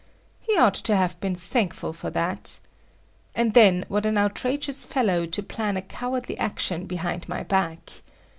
He ought to have been thankful for that. And then what an outrageous fellow to plan a cowardly action behind my back!